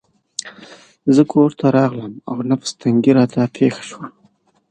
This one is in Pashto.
زه کورته راغلم او نفس تنګي راته پېښه شوه.